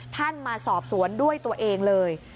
ท่านมาสอบสวนด้วยตัวเองเลย